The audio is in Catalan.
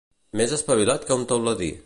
Més espavilat que un teuladí.